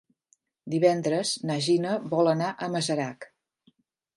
Divendres na Gina vol anar a Masarac.